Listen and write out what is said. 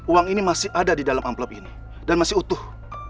uang ini masih ada di dalam amplop ini dan masih utuh